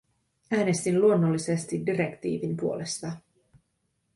Äänestin luonnollisesti direktiivin puolesta.